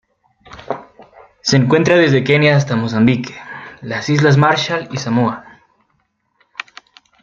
Se encuentra desde Kenia hasta Mozambique, las Islas Marshall y Samoa.